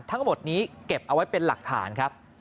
ทั้งหมดนี้เก็บเอาไว้เป็นหลักฐานครับ